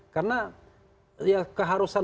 karena ya keharusan